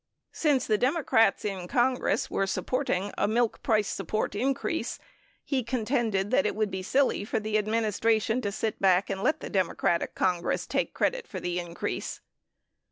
Since the Democrats in Congress were supporting a price support increase, he contended that it would be silly for the administration to sit back and let the Democratic Congress take credit for an increase.